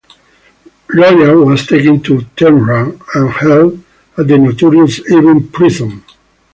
Roya was taken to Tehran and held at the notorious Evin Prison.